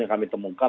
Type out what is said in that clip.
yang kami temukan